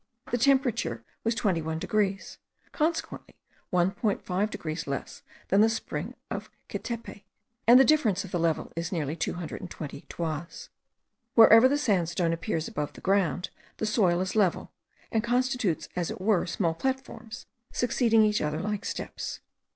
The temperature was 21 degrees, consequently 1.5 degrees less than the spring of Quetepe; and the difference of the level is nearly 220 toises. Wherever the sandstone appears above ground the soil is level, and constitutes as it were small platforms, succeeding each other like steps.